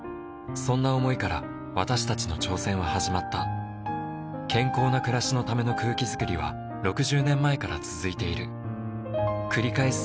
そんな想いから私たちの挑戦は始まった健康な暮らしのための空気づくりは６０年前から続いている繰り返す